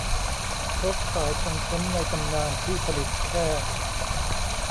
รถสายพันธุ์แชมป์ในตำนานที่ผลิตแค่